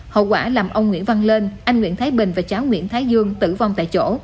hậu quả làm ông nguyễn văn lên anh nguyễn thái bình và cháu nguyễn thái dương tử vong tại chỗ